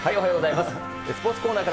おはようございます。